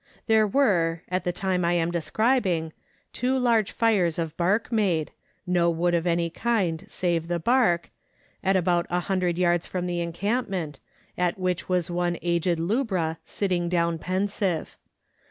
There were (at the one I am describing) two large fires of bark made (no wood of any kind save the bark) at about 100 yards from the encampment, at which was one aged lubra sitting down pensive.